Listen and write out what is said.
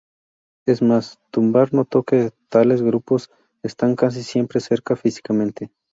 Es más, Dunbar notó que tales grupos están casi siempre cerca físicamente.